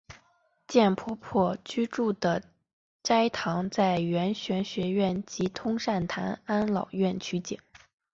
贱婆婆居住的斋堂在圆玄学院及通善坛安老院取景。